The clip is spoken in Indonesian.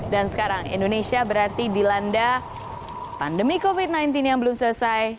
dan sekarang indonesia berarti dilanda pandemi covid sembilan belas yang belum selesai